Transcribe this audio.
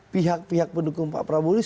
pihak pihak pendukung pak prabowo ini